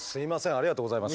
ありがとうございます。